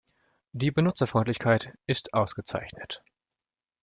Die Benutzerfreundlichkeit ist ausgezeichnet.